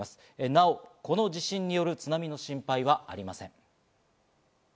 なおこの地震による津波の心配はありません。